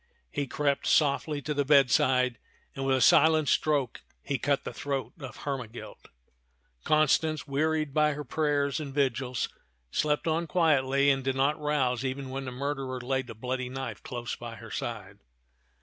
He crept softly to the bedside and with a silent stroke he cut the throat of Hermegild, Constance, wearied by her prayers and vigils, slept on quietly, and did not rouse even when the murderer laid the bloody knife close by her side.